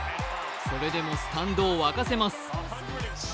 それでもスタンドを沸かせます。